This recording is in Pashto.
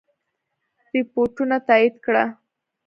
رپوټونو تایید کړه.